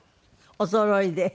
おそろいで。